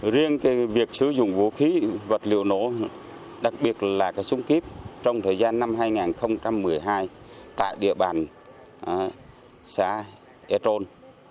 riêng việc sử dụng vũ khí vật liệu nổ đặc biệt là súng kíp trong thời gian năm hai nghìn một mươi hai tại địa bàn xã e trôn